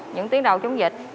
những tuyến đầu chống dịch